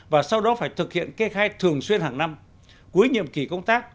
và sau đó phải thực hiện kê khai thường xuyên hàng năm cuối nhiệm kỳ công tác